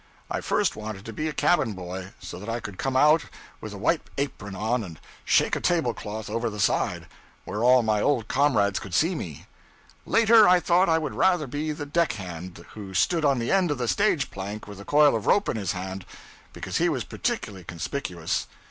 I first wanted to be a cabin boy, so that I could come out with a white apron on and shake a tablecloth over the side, where all my old comrades could see me; later I thought I would rather be the deckhand who stood on the end of the stage plank with the coil of rope in his hand, because he was particularly conspicuous.